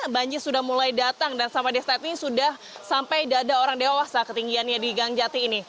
banjir sudah mulai datang dan sampai saat ini sudah sampai dada orang dewasa ketinggiannya di gangjati ini